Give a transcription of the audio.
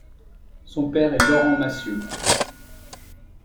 Son père est Laurent Massieu.